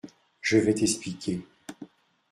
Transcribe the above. Je vais t’expliquer…